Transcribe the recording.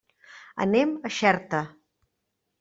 Anem a Xerta.